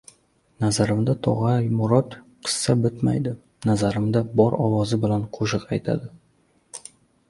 Nazarimda Tog‘ay Murod qissa bitmaydi, nazarimda, bor ovozi bilan qo‘shiq aytadi.